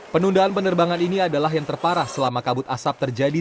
penundaan penerbangan ini adalah yang terparah selama kabut asap terjadi